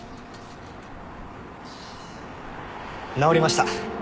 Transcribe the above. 直りました。